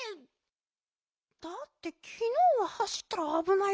だってきのうははしったらあぶないって。